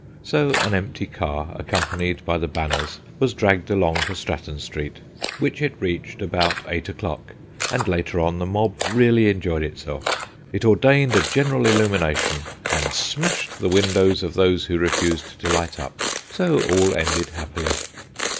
So an empty car, accompanied by the banners, was dragged along to Stratton Street, which it reached about eight o'clock, and later on the mob really enjoyed itself; it ordained a general illumi nation, and smashed the windows of those M. DE CALONNE 249 who refused to light up. So all ended happily.